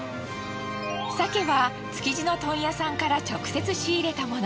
鮭は築地の問屋さんから直接仕入れたもの。